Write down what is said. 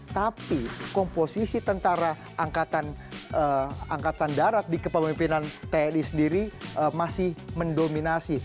tapi komposisi tentara angkatan darat di kepemimpinan tni sendiri masih mendominasi